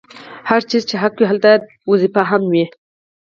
هرچېرې چې حق وي هلته دنده هم وي.